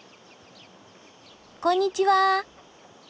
こんにちは！